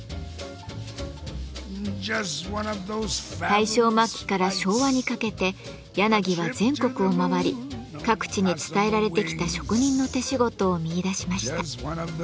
大正末期から昭和にかけて柳は全国を回り各地に伝えられてきた職人の手仕事を見いだしました。